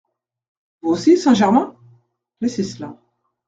Vous aussi, Saint-Germain ? laissez cela…